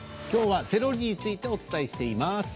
きょうはセロリについてお伝えしています。